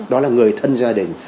đó là người thân gia đình